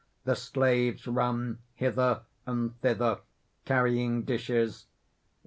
The slaves run hither and thither carrying dishes.